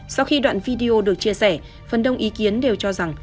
sau khi đoạn video được chia sẻ phần đông ý kiến đều cho rằng